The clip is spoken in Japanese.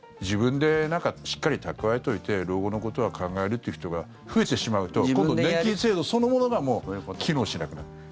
自分でしっかり蓄えといて老後のことは考えるという人が増えてしまうと今度、年金制度そのものがもう機能しなくなる。